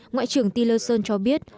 ngoại trưởng tillerson cho biết